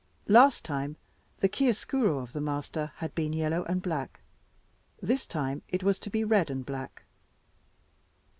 Last time, the chiar'oscuro of the master had been yellow and black, this time it was to be red and black.